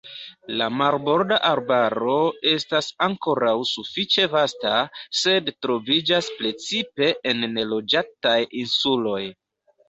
La marborda arbaro estas ankoraŭ sufiĉe vasta, sed troviĝas precipe en neloĝataj insuloj.